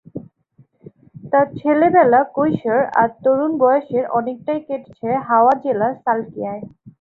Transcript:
তাঁর ছেলেবেলা, কৈশোর আর তরুণ বয়সের অনেকটাই কেটেছে হাওড়া জেলার সালকিয়ায়।